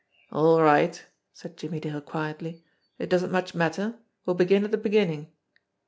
"All right!" said Jimmie Dale quietly. "It doesn't much matter. We'll begin at the beginning."